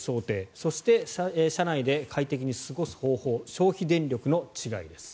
そして、車内で快適に過ごす方法消費電力の違いです。